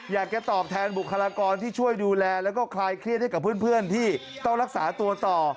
อยากจะตอบแทนบุคลากรที่ช่วยดูแลแล้วก็คลายเครียดให้กับเพื่อนที่ต้องรักษาตัวต่อ